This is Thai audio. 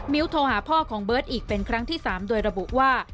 โทรหาพ่อของเบิร์ตอีกเป็นครั้งที่๓โดยระบุว่า